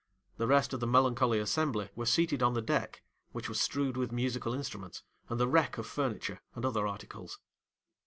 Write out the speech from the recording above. The rest of the melancholy assembly were seated on the deck, which was strewed with musical instruments, and the wreck of furniture and other articles.